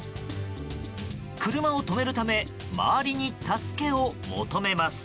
車を止めるため周りに助けを求めます。